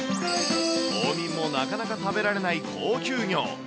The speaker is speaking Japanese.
島民もなかなか食べられない高級魚。